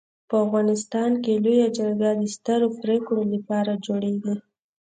په افغانستان کي لويه جرګه د سترو پريکړو لپاره جوړيږي.